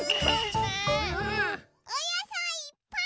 おやさいいっぱい！